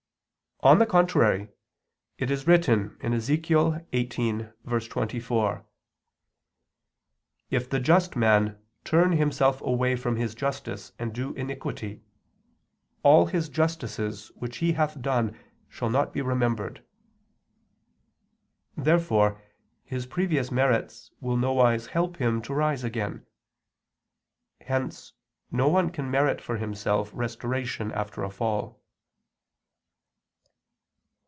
On the contrary, It is written (Ezech. 18:24): "If the just man turn himself away from his justice and do iniquity ... all his justices which he hath done shall not be remembered." Therefore his previous merits will nowise help him to rise again. Hence no one can merit for himself restoration after a fall.